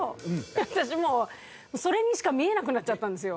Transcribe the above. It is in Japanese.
私もうそれにしか見えなくなっちゃったんですよ。